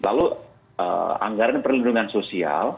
lalu anggaran perlindungan sosial